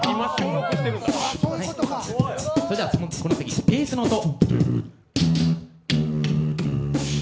それでは、この次ベースの音。